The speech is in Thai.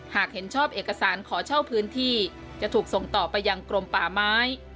หากเห็นชอบเอกสารขอเช่าพื้นที่จะถูกส่งต่อไปยังกรมป่าไม้